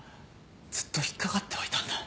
ずっと引っかかってはいたんだ